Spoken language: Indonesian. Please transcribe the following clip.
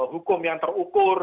hukum yang terukur